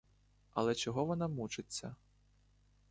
Але чого вона мучиться?